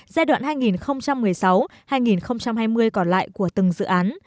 giai đoạn hai nghìn một mươi sáu hai nghìn hai mươi còn lại của từng dự án